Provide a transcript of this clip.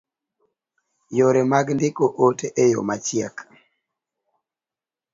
Yore mag ndiko ote e yo machiek